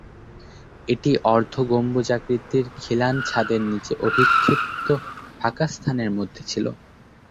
এটি অর্ধগম্বুজাকৃতির খিলান ছাদের নিচে অভিক্ষিপ্ত ফাঁকাস্থানের মধ্যে ছিল।